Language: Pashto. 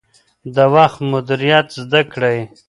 د وخت مدیریت زده کړئ.